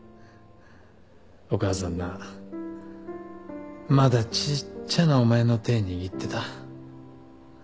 お母さんなまだちっちゃなお前の手握ってた。